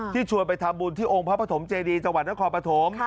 ที่ชวนไปทำบุญที่โอ้งพระพระถมเจดีย์จังหวัดนครพระถม